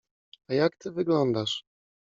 A jak ty wyglądasz!